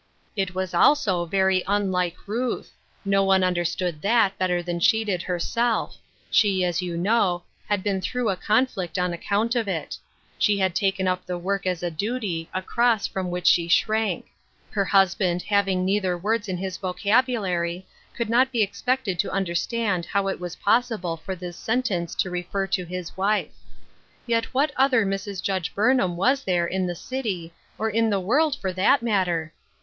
It was also very unlike Ruth ; no one understood that better than she did herself ; she, as you know, had been through a con flict on account of it ; she had taken up the work as a duty, a cross from which she shrank ; her husband having neither words in his vocabulary could not be expected to understand how it was possible for this sentence to refer to his wife. Yet what other Mrs. Judge Burnham was there in the city, or in the world, for that matter